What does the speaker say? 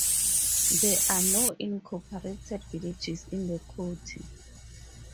There are no incorporated villages in the county.